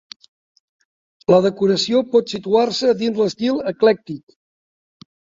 La decoració pot situar-se dins l'estil eclèctic.